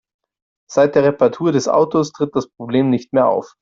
Seit der Reparatur des Autos tritt das Problem nicht mehr auf.